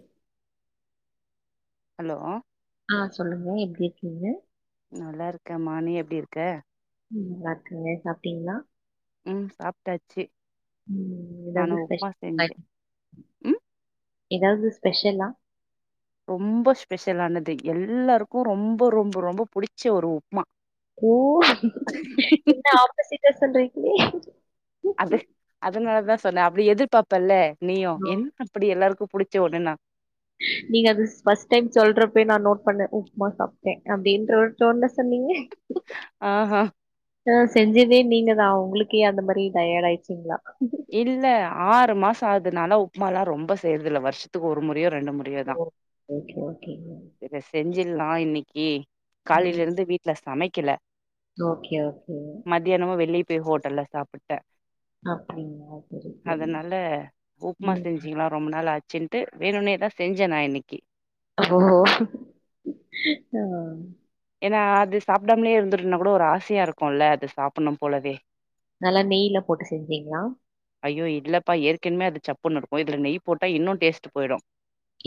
? Hello ஆ சொல்லுங்க எப்டி இருக்கீங்க நல்லாருக்கமா நீ எப்டி இருக்க ம் நல்லாருக்கங்க சாப்ட்டீங்ளா ம் சாப்ட்டாச்சு ம் நானு எதாவ்து ஸ்பெ [inaudible] உப்மா செஞ்சே ம் எதாவ்து ஸ்பெஷலா ரொம்ப ஸ்பெஷலானது எல்லாருக்கு ரொம்ப ரொம்ப ரொம்ப புடிச்ச ஒரு உப்மா ஓ என்ன ஆப்போசிட்டா சொல்றீங்களே அது அதுனாலதா சொன்னே அப்டி எதிர் பாப்பல்ல நீயு என்ன அப்டி எல்லாருக்கு புடிச்ச ஒண்ணுனா ? நீங்க அது ஃபர்ஸ்ட் டைம் சொல்றப்பயே நா நோட் பண்ணே உப்மா சாப்ட்டேன் அப்டின்ற ஒரு டோன்ல சொன்னீங்க ஆ ஹான் ஆ செஞ்சதே நீங்க தா உங்களுக்கே அந்த மாரி டயடு ஆயிடுச்சுங்களா இல்ல ஆறு மாசோ ஆகுது நான்லா உப்புமால்லா ரொம்ப செய்யிறது இல்லா வருஷத்துக்கு ஒரு முறையோ ரெண்டு முறையோ தா ம் ஓகே ஓகேங்க இத செஞ்சிடலா இன்னைக்கு காலைல ம் இருந்து வீட்ல சமைக்கல ஓகே ஓகே மத்தியானமு வெளிய போய் ஹோட்டல்ல சாப்பிட்டே அப்டிங்களா அதனால உப்மா செஞ்சுக்கலா ரொம்ப நாள் ஆச்சின்ட்டு வேணுனே தா செஞ்சே நா இன்னைக்கு ஓ ஆ ஏன்னா அது சாப்பிடாமலே இருந்துட்டுனா கூட ஒரு ஆசையா இருக்குல்ல அது சாப்பிடனு போலவே நல்லா நெய்ல போட்டு செஞ்சீங்களா ஐயோ இல்லப்பா ஏற்கனமே அது சப்புன்னு இருக்கு இதுல நெய் போட்டா இன்னு டேஸ்ட் போய்டு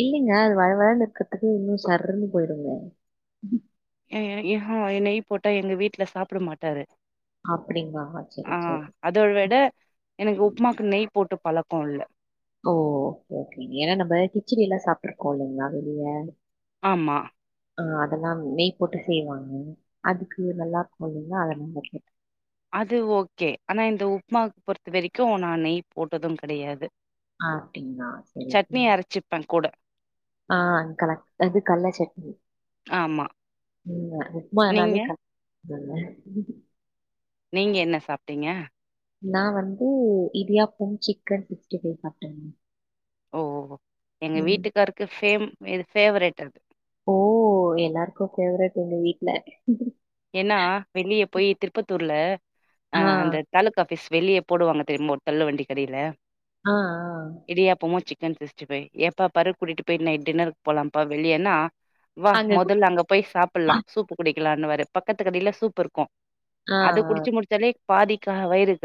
இல்லைங்க அது வழ வழன்னு இருக்கிறதுக்கு இன்னு சர்ருன போயிடுங்க ஆ நெய் போட்டா எங்க வீட்டுல சாப்பிட மாட்டாரு அப்படிங்களா சரி ஆ சரி அத விட எனக்கு உப்புமாக்கு நெய் போட்டு பழக்கோ இல்ல ஓ ஓகேங்க ஏன்னா நம்ம கிச்சடிலா சாப்பிட்ருக்கோ இல்லைங்களா வெளிய ஆமா ஆ அதெல்லா நெய் போட்டு செய்வாங்க அதுக்கு நல்லாருக்கு இல்லிங்களா அதநால கேட்டே அது ஓகே ஆனா இந்த உப்புமாவுக்கு பொறுத்த வரைக்கு நா நெய் போட்டது கெடையாது ஆ, அப்படிங்களா சரி சட்னி சரி அரச்சிப்பே கூட ஆ கலா அது கல்ல சட்னி ஆமா ம் நீங்க உப்மானாலே [inaudible] நீங்க என்ன சாப்ட்டீங்க நா வந்து இடியாப்போ சிக்கன் சிக்ஸ்டி ஃபை சாப்டேங்க ஓ ஓ எங்க வீட்டுக்காருக்கு சேம் இது ஃபேவரேட் அது ஓ எல்லாருக்கு பேவரேட் எங்க வீட்ல ஏன்னா வெளிய போயி திருப்பத்தூர்ல ஆ அந்த தாலுக்கா ஆஃபீஸ் வெளிய போடுவாங்க தெரியுமா ஒரு தள்ளு வண்டி கடயில ஆ ஆ இடியாப்பமு சிக்கன் சிக்ஸ்டி ஃபைவ் எப்ப பாரு கூட்டிட்டு போய் நைட் டின்னருக்கு போலாம்ப்பா வெளியன்னா வா மொதல்ல அங்க போய் சாப்புட்லா சூப்பு குடிக்கலான்னுவாரு பக்கத்து கடயில சூப்பு இரு க்கும் ஆ அத ஆ. குடிச்சு முடிச்சாலே பாதி க வயிறு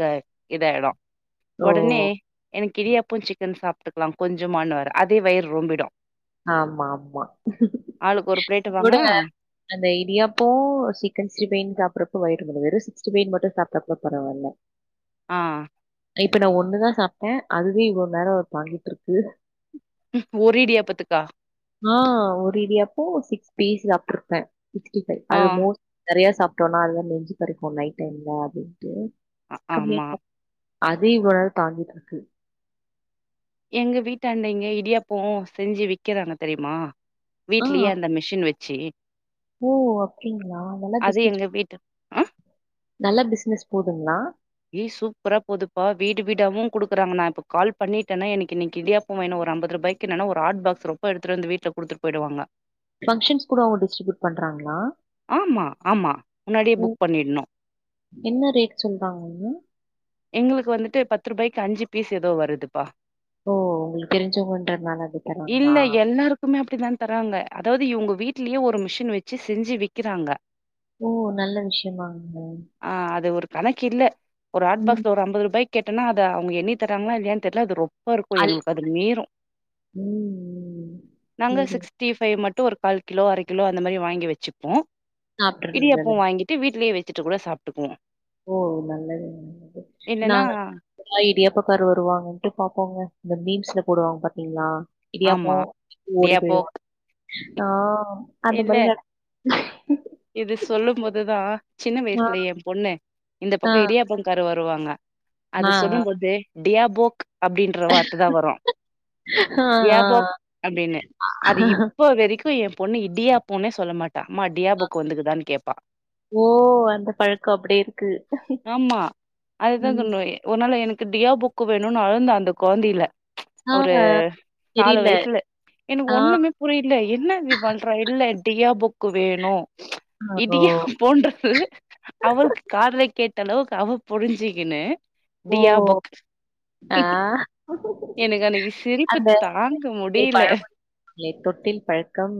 இதாயிடு ஓ! ஒடனே எனக்கு இடியாப்போ சிக்கன் சாப்டுக்கலா கொஞ்சமான்னுவாரு அதே வயிறு ரொம்பிடு ஆமா ஆமா ஆளுக்கு ஒரு பிளேட் வாங்குனா, அந்த இடியாப்போ சிக்கன் சிஸ்டிஃபைனு சாப்றப்ப வயிறு [unintelligible] வெறு சிக்ஸ்டி ஃபை மட்டு சாப்டா கூட பரவால்ல ஆ இப்ப நா ஒன்னுதா சாப்டே அதுவே இவ்ளோ நேர தாங்கிட்ருக்கு ஒரு இடியாப்பத்துக்கா ஆ ஒரு இடியாப்போ சிக்ஸ் பீஸ் சாப்ட்ருப்பே சிக்ஸ்டி ஃபை அது ஆ." மோஸ் நெறையா சாப்டோனா அதுவே நெஞ்சு கரிக்கு நைட் டைம்ல அப்டின்ட்டு அ கம்மியா ஆமா சாப் அது இவ்ள நேர தாங்கிட்டு இருக்கு எங்க வீட்டாண்ட இங்க இடியாப்போ செஞ்சு விக்குறாங்க தெரியுமா ஆ வீட்லயே அந்த மெ ஷின் வெச்சு ஓ அப்டீங்ளா நல்லா அது பிசுனஸ் எங்க வீட்டு ஆ நல்லா பிசுனஸ் போதுங்ளா ஏ சூப்பரா போதுப்பா வீடு வீடாவு குடுக்குறாங்க நா இப்ப கால் பண்ணிட்டேனா எனக்கு இன்னைக்கு இடியாப் போ இன்னோ ஒரு அம்பது ரூபாய்கு நல்ல ஒரு ஹாட் பாக்ஸ் ரொப்ப எடுத்துட்டு வீட்ல குடுத்துட்டு போயிடுவாங்க ஃபங்ஷன்ஸ்க்கூட அவங்க டிஸ்ரிபியூட் பண்றாங்ளா ஆமா ஆமா முன்னாடியே ம் புக் பண்ணிட்ணு என்ன ரேட் சொல்றாங்கங்க எங்களுக்கு வந்துட்டு பத்து ரூபாய்க்கு அஞ்சு பீஸ் ஏதோ வருதுப்பா ஓ ஒங்களுக்கு தெரிஞ்சவங்கன்றதுனால அப்டி தராங்லா எப்பவுமே அப்டிதா தராங்க அதாவது இவங்க வீட்லயே ஒரு மிஷின் வெச்சு செஞ்சு விக்குறாங்க ஓ நல்ல விஷயதாங்க ஆ அது ஒரு கணக்கில்ல ஒரு ஹாட் ம். பாக்ஸ்ல ஒரு அம்பது ரூபாய்க் கேட்டன்னா அத அவுங்க எண்ணி தராங்ளா இல்லயான்னு தெரில அது ரொ பா இருக்கு அல் எங்களுக்கு அது மீறு ம், ம். நாங்க சரி. சிக்ஸ் டிஃபை மட்டு ஒரு கால் கிலோ அர கிலோ அந்த மாரி வாங்கி வெச்சுப்போ இடியாப்போ சாப்பிடுறதுதானே. வாங்கி ட்டு வீட்லயே வெச்சிட்டு கூட சாப்டுக்குவோ ஓ நல்லதுங்க நல்லது இல்லன்னா நாங்க படா இடியாப்பக்காரு வருவாங்கட்டு பாப்போங்க இந்த மீம்ஸ்ல போடுவாங்க பாத்தீங்ளா இடியாப்போ ஆமா ஓடி இடியாப்போ போய்டுவா ஆ அந்த இல்ல மாரி நட இது சொல்லும்போதுதா சின்ன ஆ, வயசுல எ பொண்ணு இந்த ஆ, பக்க இடியாப்பங் காரு வருவாங்க ஆ, அது சொல்லும்போது டியாபோக் அப்டீன்ற வார்த்த தா வரு ஆ, ஆ. டியாபோக் அப்டின்னு அது இப்ப வரைக்கு எ பொண்ணு இடியாப்பொனே சொல்ல மாட்ட டா அம்மா டியாபொக்கு வந்துக்குதானு கேப்பா ஓ அந்த பழக்க அப்டி இருக்கு ஆமா அதுதா ம் சொன்னே ஒரு நாள் எனக்கு டியாபுக்கு வேணுனு அழுந்த அந்த கொழந்தைல ஆ ஒரு நாலு தெரியல. வயசுல எனக்கு ஆ, ஒண்ணுமே புரில என்ன இப்டி பண்றா இல்ல டியாபுக்கு வேணு ஓ! இடியா போன்றது அவளுக்கு காதுல கேட்ட அளவுக்கு அவ புரிஞ்சுகினு ஓ! டியாபொக் ஆ எனக்கு அன்னிக்கு சிரிப்பு தாங்க முடியல எ தொட்டில் பழக்கம்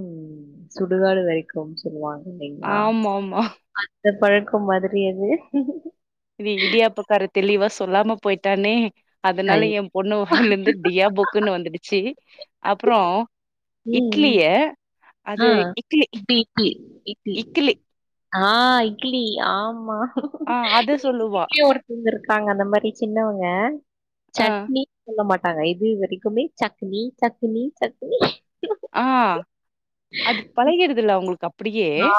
சுடுகாடு வரை கு சொல்லுவாங்க இல்லைங்ளா ஆமாமா அந்த பழக்க மாதிரி அது இது இடியாப்பக்கார தெளிவா சொல்லாம போயிட்டானே ஐ அதனால எ பொண்ணு வாய்லருந்து டியாபுக் குனு வந்துடுச்சி அப்புறோ ம். இட்லிய ஆ. அது இக்லி இட்லி, இட்லி, இ இட்லி. இக்கிலி ஆ இட்லி ஆமா ஆ அது எங்க சொல்லுவா [unintelligible] இருக்காங்க அந்த மாரி சின்னவங்க ஆ சட்னி சொல்ல மாட்டாங்க இது வரைக்குமே சக்னி சக்னி சக்னி ஆ அது பழகிறுதுல அவங்ளுக்கு அப் ஆ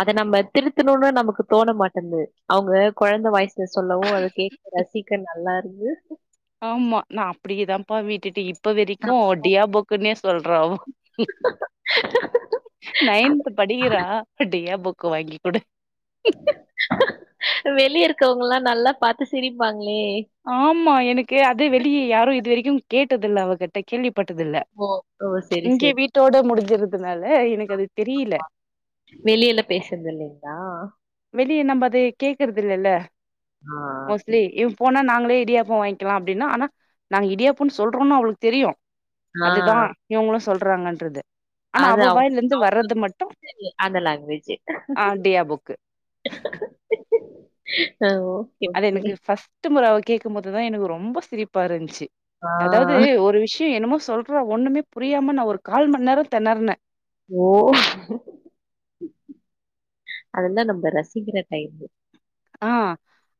அத நம்ப திருத்தணுனு நமக்கு தோண மாட்டுன்து அவங்க கொழந்த வாய்ஸ் இது சொல்லவு அது கேக்க ரசிக்க நல்லா இருக்கு ஆமா நா அப்டியேதாப்பா விட்டுட்டு இப்ப வெரிக்கு டியாபுக்குன்னே சொல்றா அவோ நயன்த்து படிக்கிறா டியாபுக்கு வாங்கிகுடு வெளிய இருக்கவங்கல்லா நல்லா பாத்து சிரிப்பாங்களே ஆமா எனக்கு அது வெளிய யாரு இதுவரைக்கு கேட்டதில்ல அவகிட் ட கேள்விப்பட்டதில்ல ஓஹோ ஓ சரி இங்க சரி வீட்டோட முடிஞ்சுருதுனால எனக்கு அது தெரியல வெளில பேசுறது இல்லைங்ளா வெளிய நம்ப அத கேக்குறது இல்லல்ல ஆ மோஸ்ட்லி சரி போனா நாங்களே இடியாப்போ வாங்கிக்கிலா அப்டின்னா ஆனா நாங்க இடியாப்பன்னு சொல்றோன்னு அவளுக்கு தெரியு ஆ அதுதா இவங்களு சொல்றாங்கன்றது ஆனா அது அவ அவுங் வாய்ல இருந்து வர்றது அவுங்களுக்கு மட்டு தெரிஞ்சது அந்த ஆ டியாபுக்கு ஆவோ அது எனுக்கு ஃபர்ஸ்ட்டு முற அவ கேக்கும்போதுதா எனுக்கு ரொம்ப சிரிப் பா இருந்ச்சி ஆ அதாவது ஒரு விஷ்யோ என்னமோ சொல் றா ஒண்ணுமே புரியாம நா ஒரு கால்மண் நேரோ தெனருனே ஓ அதெல்லா நம்ப ரசிக்கிற டைம்மு ஆ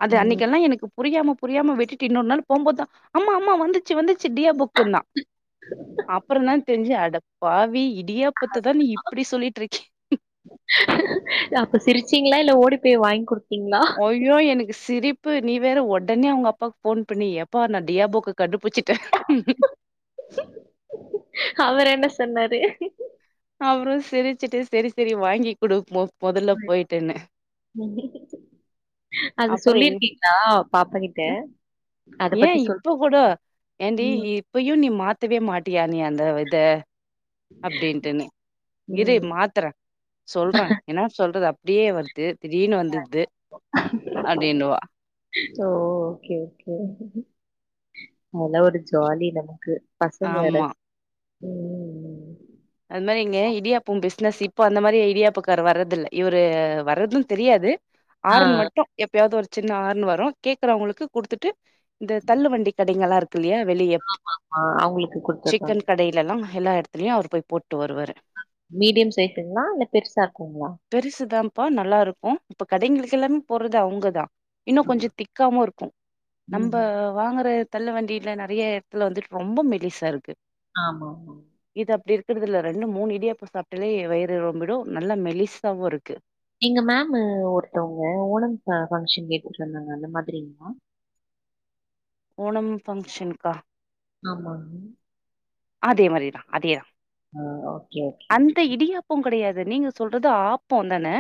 அது அன்னிக்கெல்லா எனக்கு புரியாம புரியாம வெட்டுட்டு இன்னொரு நாள் போம்போதுதா அம்மா அம்மா வந்துச்சி வந்துச்சி டியா புக் குன்னா அப்பறந்தா தெரிஞ்சி அட பாவி இடியாப் பத்த தா நீ இப்டி சொல்லிட்டு இருக்கி அப்ப சிரிச்சீங்ளா இல்ல ஓடி போய் வாங்கி குடுத்தீங்ளா ஐயோ எனுக்கு சிரிப்பு நீ வேற ஒடனே அவங்க அப்பாக்கு ஃபோன் பண்ணி எப்பா நா டியாபுக்க கண்டுபுச்சுட்டே அவர் என்ன சொன்னாரு அப்பறோ சிரிச்சிட்டு செரி செரி வாங்கி குடு போ மொதல்ல போயிட்டுன்னு அது அப்புற எங் சொல்லிருக்கீங்ளா பாப்பா கிட்ட அ அத ஏ பத்தி சொல் இப்ப கூட ஏண்டி ம் இப்பயு நீ மாத்தவே மாட்டியா நீ அந்த இத அப்டின்ட்டுன்னு இரு ம் மாத்தறே சொல்றே என்னா சொல்றது அப்டியே வர்து திடீர்னு வந்துர்து அப்டின்னுவா ஓ ஓகே ஓகே அதெல்லா ஒரு ஜாலி நமக்கு பசங்க வேற ஆமா ம் அது மாரி இங்க இடியாப்பம் பிஸ்னஸ் இப்போ அந்த மாரி இடியாப்பக்காரு வர்றதுல்ல இவர் வர்றது தெரியாது ஆ, ஆறன் மட்டு எப்பயாவது ஒரு சின்ன ஆறன் வரு கேக்றவங்ளுக்கு குடுத்துட்டு இந்த தள்ளு வண்டி கடைங்கல்லா இருக்கு இல்லையா வெளிய ஆ அவங்களுக்கு குடுத்துடுறாங்க. சிக்கன் கடையிலல்லா எல்லா எடத்துலயு அவுரு போய் போட்டு வருவாரு மீடியம் சைஸுங்களா இல்ல பெருசா இருக்குங்களா பெருசுதாப்பா நல்லா இருக்கு இப்ப கடைங்களுக்கெல்லாமே போட்றது அவுங்கதா இன்னு கொஞ்சோ திக்காவு இருக்கு நம்ப ம்ஹ்ம். வாங்குற தள்ளு வண்டில நெறய எடத்துல வந்துட்டு ரொம்ப மெலிசா இருக்கு ஆமாமா இது அப்டி இருக்கறதுல ரெண்டு மூணு இடியாப்போ சாப்ட்டாலே வயிறு ரொம்பிடு நல்லா மெலிசாவு இருக்கு எங்க மேம் ஒருத்தவங்க ஓணம் பா பங்க்ஷன் எடுத்துட்டு வந்தாங்க அந்த மாதிரிங்ளா ஓணம் ஃபங்க்ஷன்க்கா ஆமாங்க அதே மாரியேதா அதேதா ஆ ஓகே, ஓகே. அந்த இடியாப் போ கெடையாது நீங்க சொல்றது ஆப்போந் தானே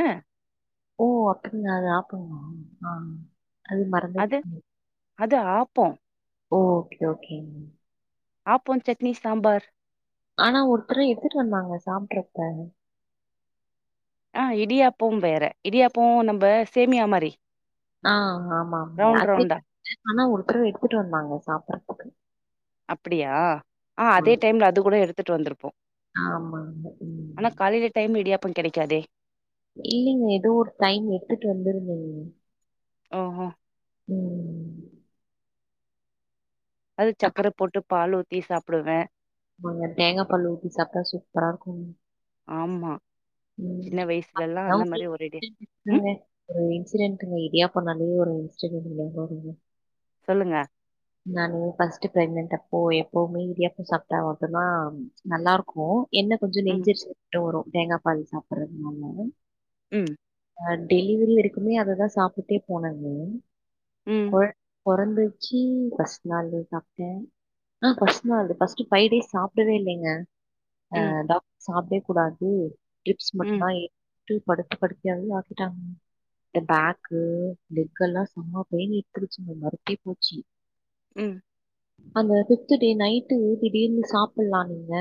ஓ அப்டியா அது ஆப்பம்மா ஆன் அது மறந்தே அது போச்சு அது ஆப்போ ஓ ஓக்கே ஓக்கே ஆப்போ சட்னி சாம்பார் ஆனா ஒருத்தரு எடுத்துட்டு வந்தாங்க சாப்ட்ருப்ப ஆ இடியாப்போம் வேற இடியாப்போ நம்ப சேமியா மாரி ஆ ஆமாங்க அ ரவுண்ட் ரவுண்டா. ஆனா ஒருத்தடவ எடுத்துட்டு வந்தாங்க சாப்பற்துக்கு அப்டியா ஆ அதே டைம்ல அது கூடோ எடுத்துட்டு வந்திருப்போ ஆமாங்க ம்க்கும் டைம் இடியாப்பம் கெடைக்காதே இல்லீங்க ஏதோ ஒரு டைம் எடுத்துட்டு வந்திருந்தீங்க ஓஹோ ம் அது சக்கரை போட்டு பால் ஊத்தி சாப்புடுவே ஆமாங்க தேங்கா பால் ஊத்தி சாப்டா சூப்பரா இருக்கு ஆம்மா சின்ன வயசுலெல்லா அந்த மாரி ஒரடியே ஆமாங்க ஒரு இன்சிடென்ட்டுங்க இடியாப்பண்ணாலே ஒரு இன்சிடென்ட் [unintelligible] சொல்லுங்க நானு ஃபர்ஸ்ட்டு ப்ரெக்னெண்ட் அப்போ எப்பவுமே இடியாப்போ சாப்ட்டா மட்டுந்தா நல்லாருக்கு என்ன கொஞ்சோ ம். நெஞ்செரிச்சல் மட்டு வரு தேங்கா பால் சாப்பற்த்னால ம் ஆ டெலிவரி வரைக்குமே அததா சாப்டுட்டே போனங்க ம். கொழ பொறந்துச்சி பஸ்ட் நாளே சாப்ட்டே ஆ ஃபர்ஸ்ட் நாள் ஃபர்ஸ்ட் ஃபைவ் டேஸ் சாப்பிடவே இல்லைங்க ஆ ம். டாக்டர் சாப்டே கூடாது டிரிப்ஸ் மட்டும் ம். தா ஏற த்து படுத்த படுக்கையாவே ஆக்கிட்டாங் இந்த பேக்கு லெக் எல்லா செம பெயின் எடுத்துருச்சுங்க மறுத்தே போச்சி ம் அந்த பிப்த் டே நைட்டு திடீர்ன்னு சாப்புல்லா நீங்க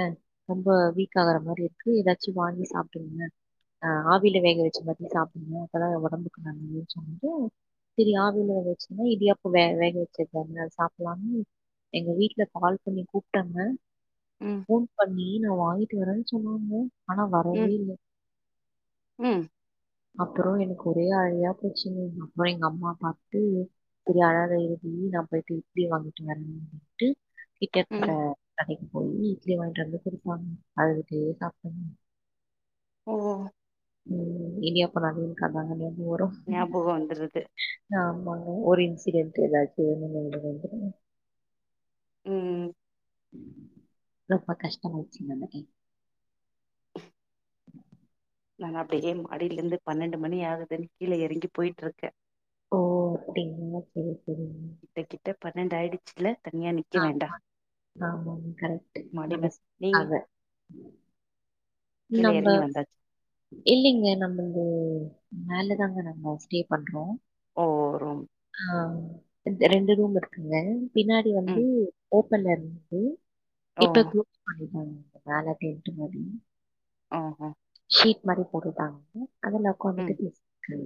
ரொம்ப வீக் ஆகுற மாதிரி இருக்கு ஏதாச்சி வாங்கி சாப்டுங்க ஆ ஆவில வேக வெச்சது வந்து சாப்புட்னோ அப்பதா ஒடம்புக்கு நல்லதுன் சொல்ட்டு சரி ஆவில வேக வெச்சதுன்னா இடியாப்போ வே வேக வெச்சதுதானே சாப்புலானு எங்க வீட்ல கால் பண்ணி கூப்ட்டாங்க ம். போன் பண்ணி நா வாங்கிட்டு வரன் சொன்னாங்க ஆனா வர் ம். வரவேல்ல ம். அப்பறோ எனக்கு ஒரே அழையா போச்சுங்க அப்பறம் எங்கம்மா பாத்துட்டு சரி அழாத இருடி நா போயிட்டு இட்லி வாங்கிட்டு வரன்னு போயிட்டு கிட்ட இருக்கற ம். கடைக்கு போய் இட்லி வாங்கிட்டு வந்து குடுத்தாங்க அழுதுகிட்டே சாப்ட்டே ஓ ம் இடியாப்போன்னாலே எனுக் அத்தாங்க ஞாபக வரு ஞாபகோ வந்துருது ஆமாங்க ஒரு இன்சிடெட் ஏதாச்சு ஞாபகோ வந்துருங்க ம் ரொம்ப கஷ்டமாச்சு [unintelligible] நாங்க அப்டியே மாடிலேந்து பன்னெண்டு மணி ஆகுதுன்னு கீழ எறங்கி போயிட்ருக்கே ஓ அப்டிங்ளா செரி செரிங்க கிட்ட கிட்ட பன்னெண்டு ஆயிடுச்சுல தனியா நிக்க வேண்டா ஆமாங் கரெக்ட்டு மாடி மேல நீங்க [inaudible] கீழ நம்ப எறங்கி வந்தாச்சு இல்லிங்க நம்ப இங்க மேலதாங்க நாங்க ஸ்டே பண்றோ ஓ ரொம் ஆ ரெண் ரெண்டு ரூம் இருக்குங்க பின்னாடி வந்து ம் ஓப்பன்ல இருந்துது ஓ இப்ப கிளாஸ் பண்ணிட்டாங்க மேல [inaudible] மாரி ஆமா ஷீட் மாரி போட்டுட்டாங்கங்க அதுல ம் ஒக்காந்துக்கட்டு பேசிட்ருக்கே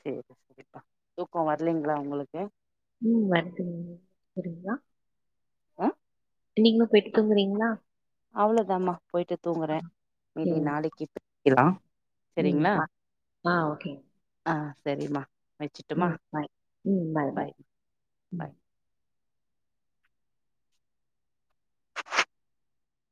சேரி சேரிப்பா தூக்கோ வர்லிங்ளா உங்குளுக்கு ம் வருதுங்க போறீங்ளா ஆ நீங்களு பேயிட்டு தூங்குறீங் அவ்ளதாமா போயிட்டு தூங்குறே மீதி சரிங்க. நாளைக்கு [inaudible] க்கிலா ம் ஆ ஓகே ஆ செரிம்மா வச்சு ம் பாய் ம் பாய் பாய் ம். பாய்